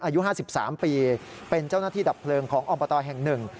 อายุ๕๓ปีเป็นเจ้าหน้าที่ดับเพลิงของอบตแห่งหนึ่ง